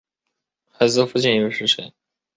孩子的父亲又是谁？